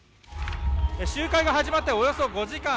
集会が始まっておよそ５時間。